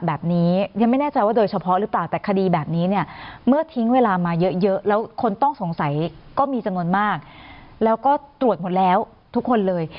แบบนี้ยังไม่แน่ใจว่าโดยเฉพาะหรือเปล่าแต่คดีแบบนี้เนี่ยเมื่อทิ้งเวลามาเยอะแล้วคนต้องสงสัยก็มีจำนวนมากแล้วก็ตรวจหมดแล้วทุกคนเลย